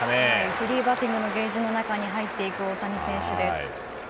フリーバッティングのケージの中に入っていく大谷選手です。